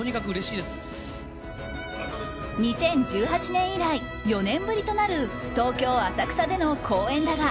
２０１８年以来４年ぶりとなる東京・浅草での公演だが